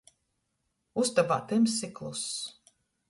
Ustobā tymss i kluss.